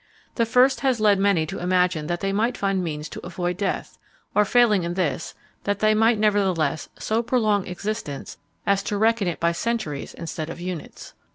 The first has led many to imagine that they might find means to avoid death, or failing in this, that they might, nevertheless, so prolong existence as to reckon it by centuries instead of units.